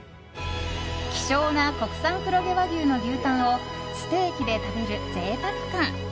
希少な国産黒毛和牛の牛タンをステーキで食べる贅沢感。